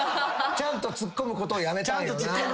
ちゃんとツッコむことをやめたんよな。